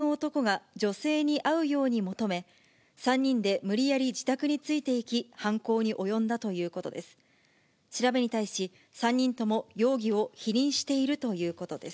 その後、３人のうち別の男が女性に会うように求め、３人で無理やり自宅についていき、犯行に及んだということです。